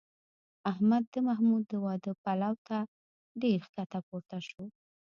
احمد د محمود د واده پلو ته ډېر ښکته پورته شو